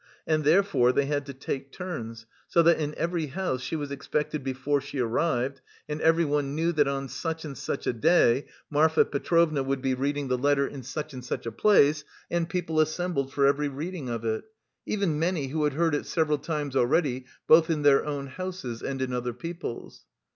And therefore they had to take turns, so that in every house she was expected before she arrived, and everyone knew that on such and such a day Marfa Petrovna would be reading the letter in such and such a place and people assembled for every reading of it, even many who had heard it several times already both in their own houses and in other people's.